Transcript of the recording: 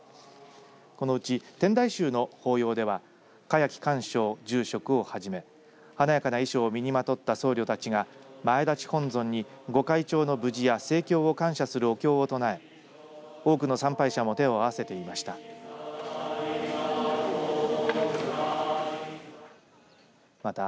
このうち天台宗の法要では栢木寛照住職をはじめ華やかな衣装を身にまとった僧侶たちが前立本尊に御開帳の無事や盛況を感謝するお経を唱え多くの参拝者も手を合わせていました。